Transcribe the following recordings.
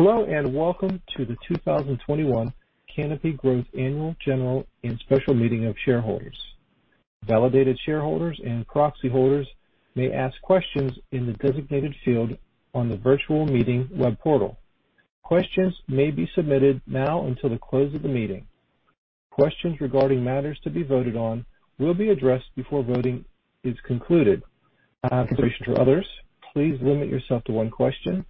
Hello, welcome to the 2021 Canopy Growth Annual General and Special Meeting of Shareholders. Validated shareholders and proxy holders may ask questions in the designated field on the virtual meeting web portal. Questions may be submitted now until the close of the meeting. Questions regarding matters to be voted on will be addressed before voting is concluded. Out of consideration for others, please limit yourself to one question.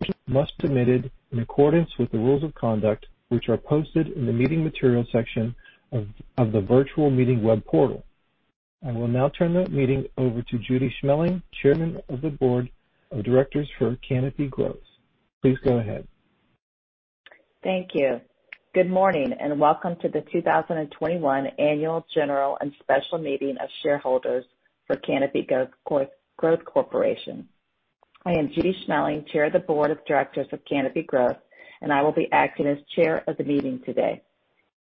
Questions must be submitted in accordance with the rules of conduct, which are posted in the Meeting Materials section of the virtual meeting web portal. I will now turn the meeting over to Judy Schmeling, Chairman of the Board of Directors for Canopy Growth. Please go ahead. Thank you. Good morning, welcome to the 2021 Annual General and Special Meeting of Shareholders for Canopy Growth Corporation. I am Judy Schmeling, Chair of the Board of Directors of Canopy Growth, and I will be acting as chair of the meeting today.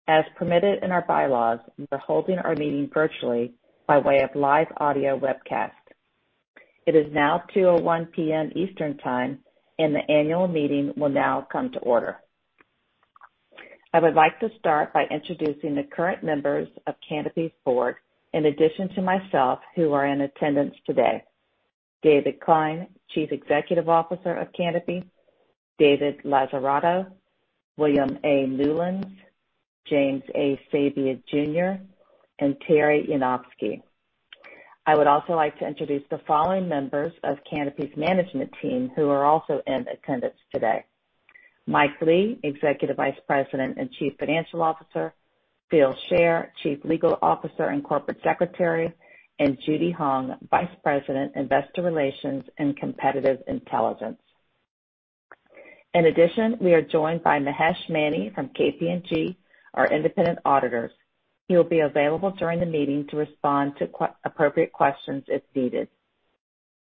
As permitted in our bylaws, we are holding our meeting virtually by way of live audio webcast. It is now 2:01 P.M. Eastern Time, and the annual meeting will now come to order. I would like to start by introducing the current members of Canopy's board, in addition to myself, who are in attendance today. David Klein, Chief Executive Officer of Canopy, David Lazzarato, William A. Newlands, James A. Sabia Jr., and Theresa Yanofsky. I would also like to introduce the following members of Canopy's management team who are also in attendance today. Mike Lee, Executive Vice President and Chief Financial Officer, Phil Shaer, Chief Legal Officer and Corporate Secretary, and Judy Hong, Vice President, Investor Relations and Competitive Intelligence. In addition, we are joined by Mahesh Mani from KPMG, our independent auditors. He will be available during the meeting to respond to appropriate questions if needed.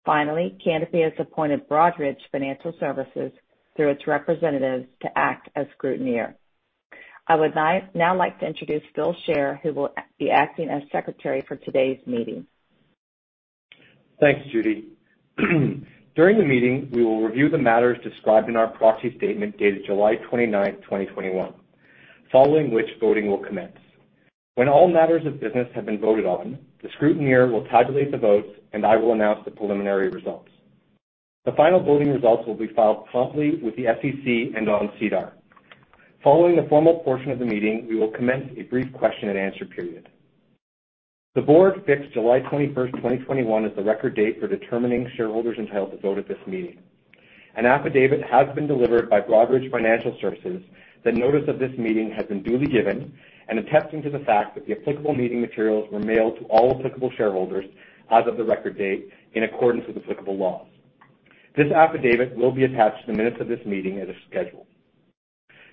Finally, Canopy has appointed Broadridge Financial Solutions through its representatives to act as Secretary. I would now like to introduce Phil Shaer, who will be acting as Secretary for today's meeting. Thanks, Judy. During the meeting, we will review the matters described in our proxy statement dated July 29th, 2021, following which voting will commence. When all matters of business have been voted on, the scrutineer will tabulate the votes, and I will announce the preliminary results. The final voting results will be filed promptly with the SEC and on SEDAR. Following the formal portion of the meeting, we will commence a brief question and answer period. The board fixed July 21st, 2021, as the record date for determining shareholders entitled to vote at this meeting. An affidavit has been delivered by Broadridge Financial Solutions that notice of this meeting has been duly given and attesting to the fact that the applicable meeting materials were mailed to all applicable shareholders as of the record date in accordance with applicable laws. This affidavit will be attached to the minutes of this meeting as a schedule.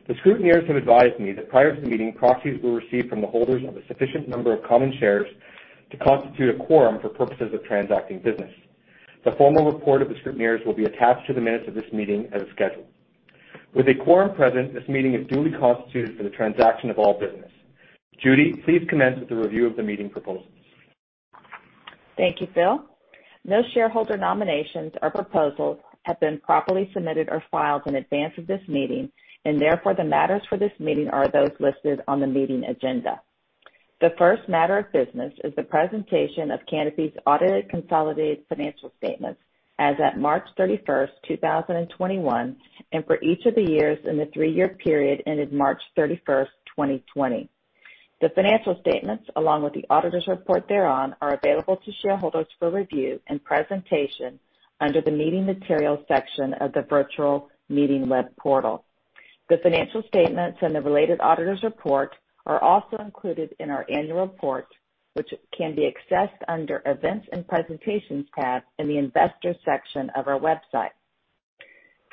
The scrutineers have advised me that prior to the meeting, proxies were received from the holders of a sufficient number of common shares to constitute a quorum for purposes of transacting business. The formal report of the scrutineers will be attached to the minutes of this meeting as a schedule. With a quorum present, this meeting is duly constituted for the transaction of all business. Judy, please commence with the review of the meeting proposals. Thank you, Phil. No shareholder nominations or proposals have been properly submitted or filed in advance of this meeting. Therefore, the matters for this meeting are those listed on the meeting agenda. The first matter of business is the presentation of Canopy's audited consolidated financial statements as at March 31st, 2021, and for each of the years in the three-year period ended March 31st, 2020. The financial statements, along with the auditor's report thereon, are available to shareholders for review and presentation under the Meeting Materials section of the virtual meeting web portal. The financial statements and the related auditor's report are also included in our annual report, which can be accessed under Events and Presentations tab in the Investors section of our website.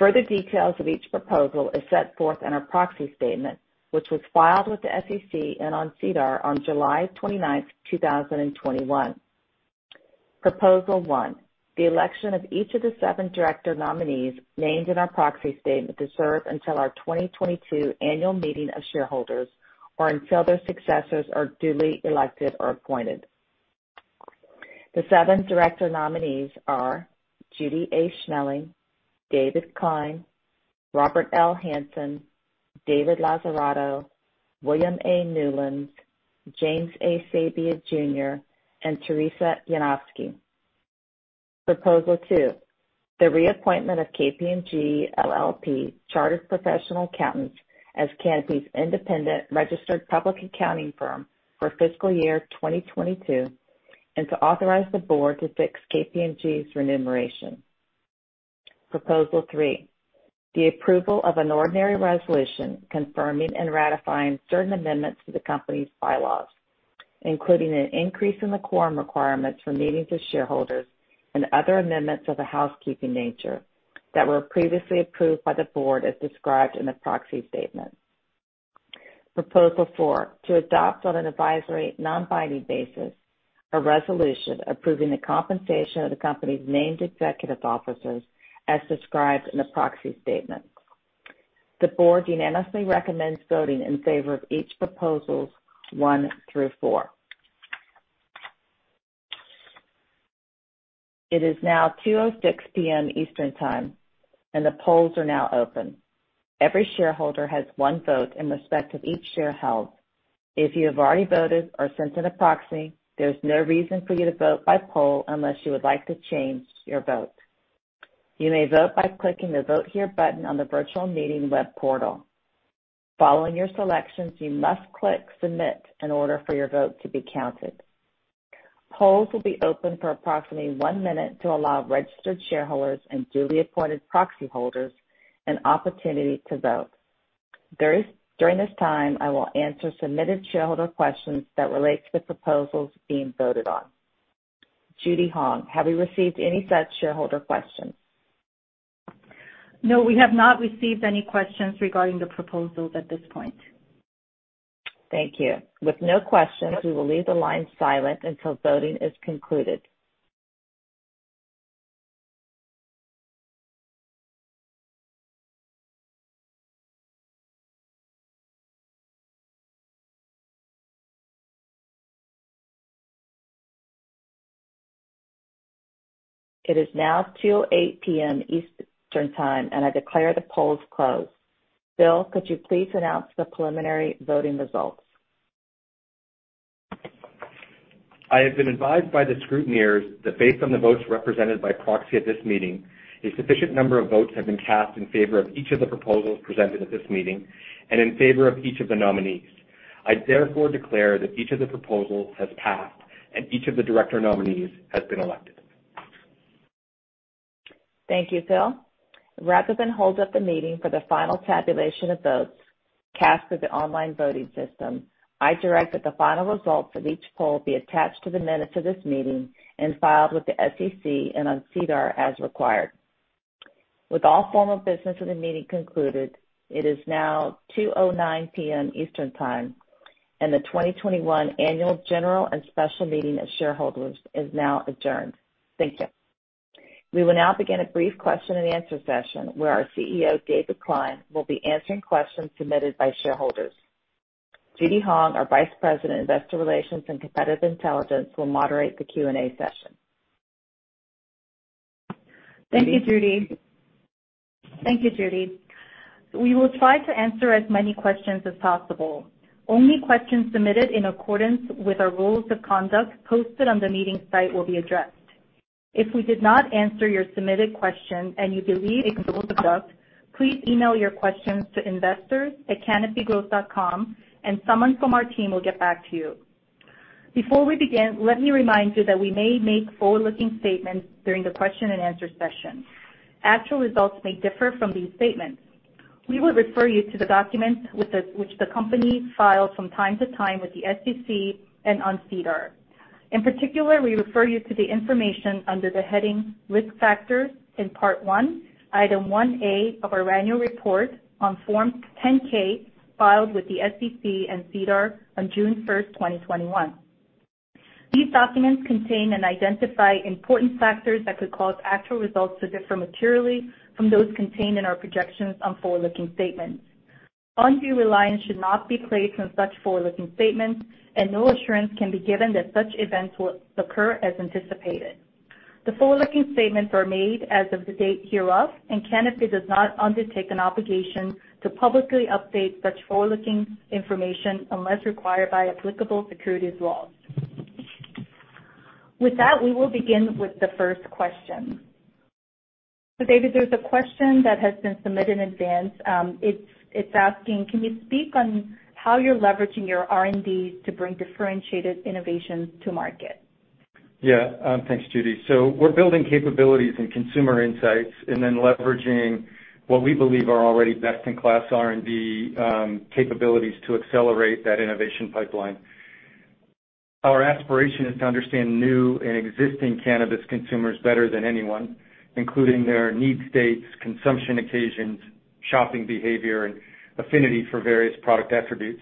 Further details of each proposal is set forth in our proxy statement, which was filed with the SEC and on SEDAR on July 29th, 2021. Proposal one, the election of each of the seven director nominees named in our proxy statement to serve until our 2022 annual meeting of shareholders or until their successors are duly elected or appointed. The seven director nominees are Judy A. Schmeling, David Klein, Robert L. Hanson, David Lazzarato, William A. Newlands, James A. Sabia Jr., and Theresa Yanofsky. Proposal two, the reappointment of KPMG LLP Chartered Professional Accountants as Canopy's independent registered public accounting firm for fiscal year 2022 and to authorize the board to fix KPMG's remuneration. Proposal 3, the approval of an ordinary resolution confirming and ratifying certain amendments to the company's bylaws, including an increase in the quorum requirements for meetings of shareholders and other amendments of a housekeeping nature that were previously approved by the board as described in the proxy statement. Proposal four, to adopt on an advisory, non-binding basis a resolution approving the compensation of the company's named executive officers as described in the proxy statement. The board unanimously recommends voting in favor of each proposals 1 through 4. It is now 2:06 P.M. Eastern Time. The polls are now open. Every shareholder has 1 vote in respect of each share held. If you have already voted or sent in a proxy, there is no reason for you to vote by poll unless you would like to change your vote. You may vote by clicking the Vote Here button on the virtual meeting web portal. Following your selections, you must click Submit in order for your vote to be counted. Polls will be open for approximately one minute to allow registered shareholders and duly appointed proxy holders an opportunity to vote. During this time, I will answer submitted shareholder questions that relate to the proposals being voted on. Judy Hong, have you received any such shareholder questions? No, we have not received any questions regarding the proposals at this point. Thank you. With no questions, we will leave the line silent until voting is concluded. It is now 2:08 P.M. Eastern Time, and I declare the polls closed. Phil, could you please announce the preliminary voting results? I have been advised by the scrutineers that based on the votes represented by proxy at this meeting, a sufficient number of votes have been cast in favor of each of the proposals presented at this meeting, and in favor of each of the nominees. I therefore declare that each of the proposals has passed, and each of the director nominees has been elected. Thank you, Phil. Rather than hold up the meeting for the final tabulation of votes cast through the online voting system, I direct that the final results of each poll be attached to the minutes of this meeting and filed with the SEC and on SEDAR as required. With all formal business of the meeting concluded, it is now 2:09 P.M. Eastern Time, and the 2021 Annual General and Special Meeting of Shareholders is now adjourned. Thank you. We will now begin a brief question and answer session, where our CEO, David Klein, will be answering questions submitted by shareholders. Judy Hong, our Vice President, Investor Relations and Competitive Intelligence, will moderate the Q&A session. Judy? Thank you, Judy. We will try to answer as many questions as possible. Only questions submitted in accordance with our rules of conduct posted on the meeting site will be addressed. If we did not answer your submitted question and you believe it complies with conduct, please email your questions to investors@canopygrowth.com and someone from our team will get back to you. Before we begin, let me remind you that we may make forward-looking statements during the question and answer session. Actual results may differ from these statements. We would refer you to the documents which the company files from time to time with the SEC and on SEDAR. In particular, we refer you to the information under the heading Risk Factors in Part 1, Item 1A of our annual report on Form 10-K filed with the SEC and SEDAR on June 1st, 2021. These documents contain and identify important factors that could cause actual results to differ materially from those contained in our projections on forward-looking statements. Undue reliance should not be placed on such forward-looking statements, and no assurance can be given that such events will occur as anticipated. The forward-looking statements are made as of the date hereof, and Canopy does not undertake an obligation to publicly update such forward-looking information unless required by applicable securities laws. With that, we will begin with the first question. David, there's a question that has been submitted in advance. It's asking, can you speak on how you're leveraging your R&Ds to bring differentiated innovations to market? Thanks, Judy. We're building capabilities and consumer insights, and then leveraging what we believe are already best-in-class R&D capabilities to accelerate that innovation pipeline. Our aspiration is to understand new and existing cannabis consumers better than anyone, including their need states, consumption occasions, shopping behavior, and affinity for various product attributes.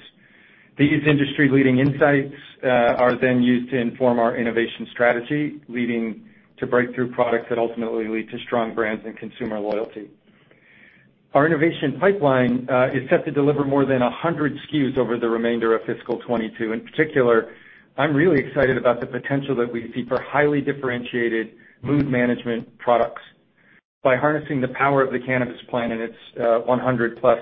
These industry-leading insights are used to inform our innovation strategy, leading to breakthrough products that ultimately lead to strong brands and consumer loyalty. Our innovation pipeline is set to deliver more than 100 SKUs over the remainder of fiscal 2022. In particular, I'm really excited about the potential that we see for highly differentiated mood management products. By harnessing the power of the cannabis plant and its 100-plus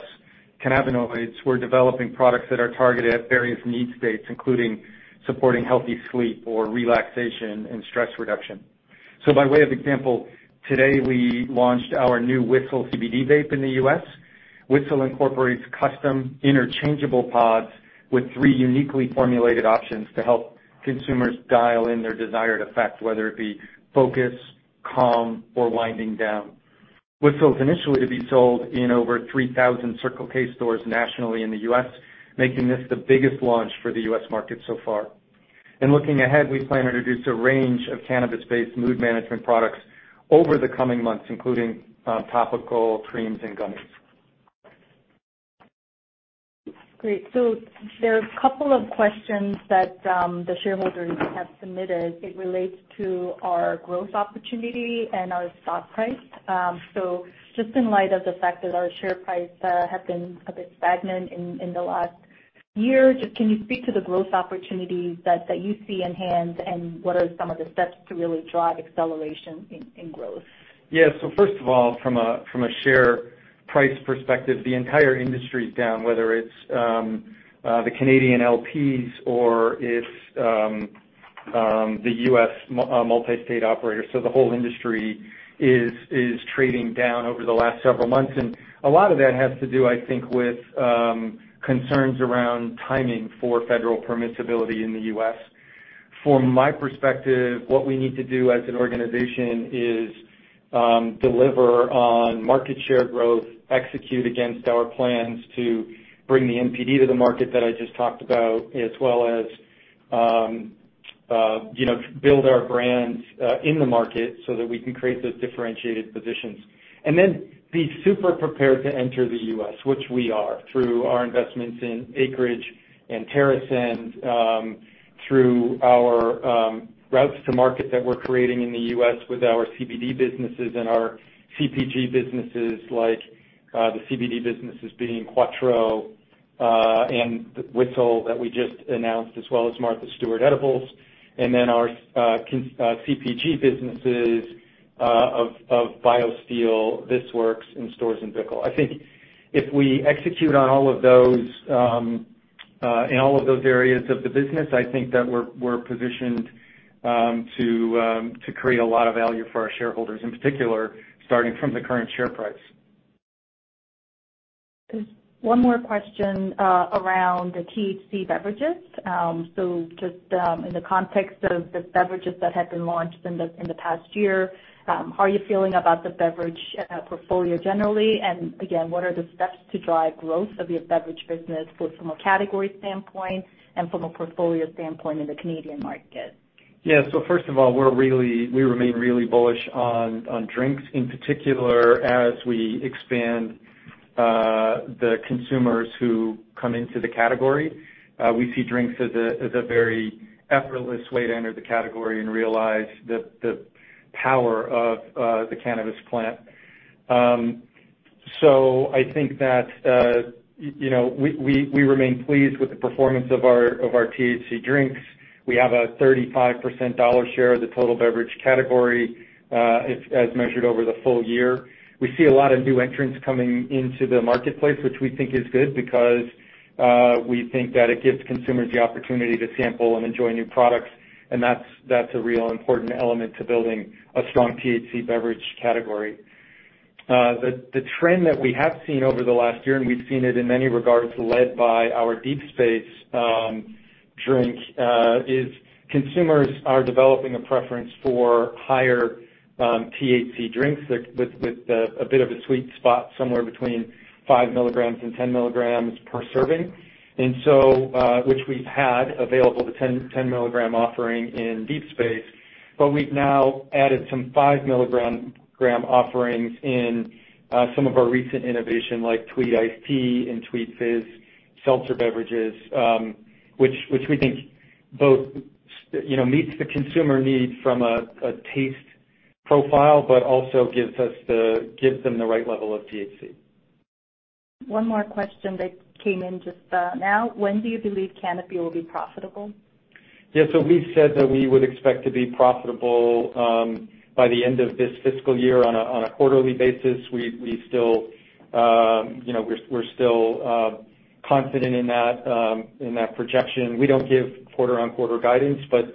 cannabinoids, we're developing products that are targeted at various need states, including supporting healthy sleep or relaxation and stress reduction. By way of example, today we launched our new whisl CBD vape in the U.S. whisl incorporates custom interchangeable pods with three uniquely formulated options to help consumers dial in their desired effect, whether it be focus, calm, or winding down. whisl is initially to be sold in over 3,000 Circle K stores nationally in the U.S., making this the biggest launch for the U.S. market so far. Looking ahead, we plan to introduce a range of cannabis-based mood management products over the coming months, including topical creams and gummies. Great. There are a couple of questions that the shareholders have submitted. It relates to our growth opportunity and our stock price. Just in light of the fact that our share price has been a bit stagnant in the last year, can you speak to the growth opportunities that you see in hand, and what are some of the steps to really drive acceleration in growth? Yeah. First of all, from a share price perspective, the entire industry is down, whether it's the Canadian LPs or if the U.S. multi-state operators. The whole industry is trading down over the last several months, and a lot of that has to do, I think, with concerns around timing for federal permissibility in the U.S. From my perspective, what we need to do as an organization is deliver on market share growth, execute against our plans to bring the NPD to the market that I just talked about, as well as build our brands in the market so that we can create those differentiated positions. Be super prepared to enter the U.S., which we are, through our investments in Acreage and TerrAscend, through our routes to market that we're creating in the U.S. with our CBD businesses and our CPG businesses, like the CBD businesses being Quatreau, and whisl that we just announced, as well as Martha Stewart CBD. Our CPG businesses of BioSteel, This Works, and Storz & Bickel. I think if we execute on all of those, in all of those areas of the business, I think that we're positioned to create a lot of value for our shareholders, in particular, starting from the current share price. Just one more question around the THC beverages. Just in the context of the beverages that have been launched in the past year, how are you feeling about the beverage portfolio generally? Again, what are the steps to drive growth of your beverage business both from a category standpoint and from a portfolio standpoint in the Canadian market? First of all, we remain really bullish on drinks, in particular, as we expand the consumers who come into the category. We see drinks as a very effortless way to enter the category and realize the power of the cannabis plant. I think that we remain pleased with the performance of our THC drinks. We have a 35% dollar share of the total beverage category as measured over the full year. We see a lot of new entrants coming into the marketplace, which we think is good because we think that it gives consumers the opportunity to sample and enjoy new products, and that's a real important element to building a strong THC beverage category. The trend that we have seen over the last year, and we've seen it in many regards led by our Deep Space drink, is consumers are developing a preference for higher THC drinks with a bit of a sweet spot, somewhere between 5 mg and 10 mg per serving, which we've had available, the 10 mg offering in Deep Space. We've now added some 5-mg offerings in some of our recent innovation, like Tweed Iced Tea and Tweed Fizz seltzer beverages, which we think both meets the consumer need from a taste profile, but also gives them the right level of THC. One more question that came in just now. When do you believe Canopy will be profitable? Yeah. We said that we would expect to be profitable by the end of this fiscal year on a quarterly basis. We're still confident in that projection. We don't give quarter-on-quarter guidance, but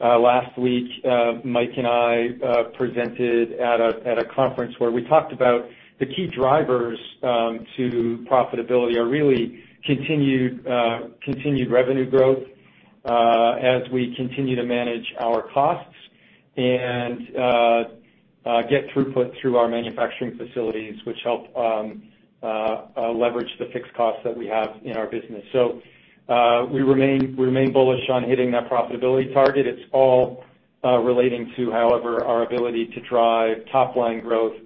last week, Mike and I presented at a conference where we talked about the key drivers to profitability are really continued revenue growth as we continue to manage our costs and get throughput through our manufacturing facilities, which help leverage the fixed costs that we have in our business. We remain bullish on hitting that profitability target. It's all relating to, however, our ability to drive top-line growth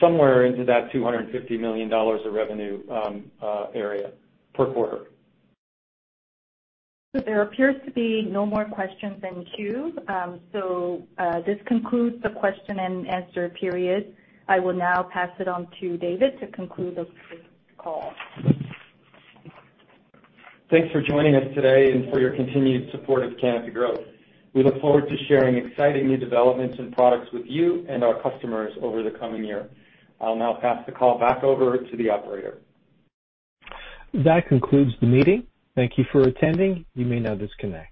somewhere into that 250 million dollars of revenue area per quarter. There appears to be no more questions in queue. This concludes the question and answer period. I will now pass it on to David to conclude this call. Thanks for joining us today and for your continued support of Canopy Growth. We look forward to sharing exciting new developments and products with you and our customers over the coming year. I'll now pass the call back over to the operator. That concludes the meeting. Thank you for attending. You may now disconnect.